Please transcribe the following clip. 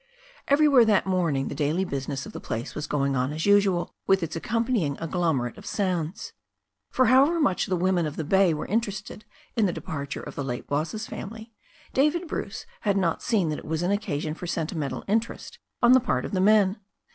Everywhere that morning the daily business of the place was going on as usual, with its accompanying agglomerate of sounds; for, however much the women of the bay were interested in the departure of the late boss's family, David Bruce had not seen that it was an occasion for sentimental interest on the part of the men.